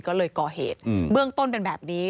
ก็เลยก่อเหตุเบื้องต้นเป็นแบบนี้